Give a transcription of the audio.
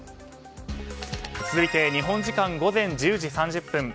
続いて日本時間午前１０時３０分。